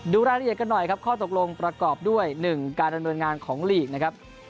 ดูรายละเอียดกันหน่อยครับข้อตกลงประกอบด้วย๑การดำเนินงานของลีกนะครับ